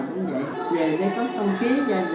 rồi kêu lại dưới